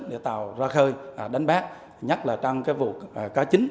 để tàu ra khơi đánh bác nhắc trăng vụ cá chính